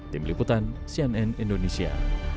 tim liputan cnn indonesia